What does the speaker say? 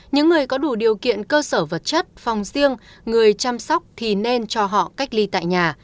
những người có đủ điều kiện cơ sở vật chất phòng riêng người chăm sóc thì nên cho họ cách ly tại nhà